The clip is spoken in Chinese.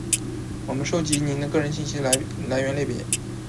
我们收集您个人信息的来源类别；